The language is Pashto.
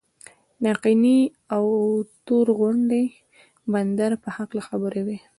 د آقینې او تور غونډۍ بندر په هکله خبرې وای.